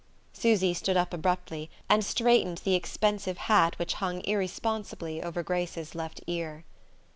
Susy stood up abruptly, and straightened the expensive hat which hung irresponsibly over Grace's left ear.